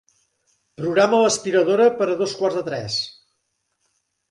Programa l'aspiradora per a dos quarts de tres.